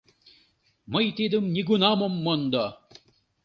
Мый тидым нигунам ом мондо!